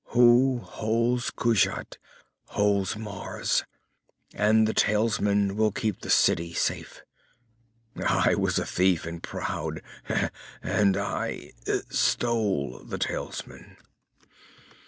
Who holds Kushat holds Mars and the talisman will keep the city safe.' "I was a thief, and proud. And I stole the talisman."